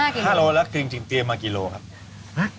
ถ้าโลแล้วจริงเตรียมมากิโลครับ